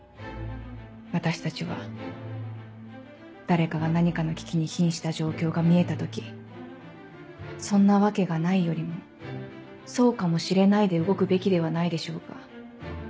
私たちは誰かが何かの危機にひんした状況が見えた時「そんなわけがない」よりも「そうかもしれない」で動くべきではないでしょうか？